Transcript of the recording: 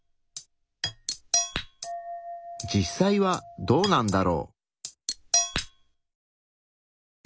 実際はどうなんだろう？